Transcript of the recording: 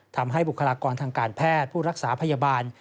บุคลากรทางการแพทย์ผู้รักษาพยาบาล